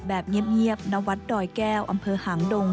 แบบเงียบณวัดดอยแก้วอำเภอหางดง